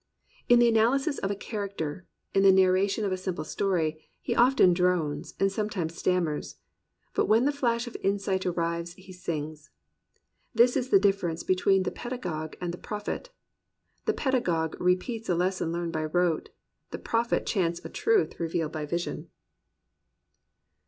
In the analysis of a character, in the narra tion of a simple story, he often drones, and some times stammers; but when the flash of insight ar rives, he sings. This is the difference between the pedagogue and the prophet: the pedagogue repeats a lesson learned by rote, the prophet chants a truth revealed by vision.